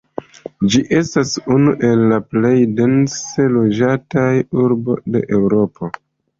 Ĝi estas unu el la plej dense loĝataj urbo de Eŭropo.